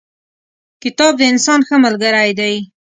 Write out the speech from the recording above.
کتاب د انسان ښه ملګری دی.